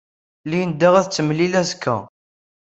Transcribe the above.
Linda ad t-temlil azekka.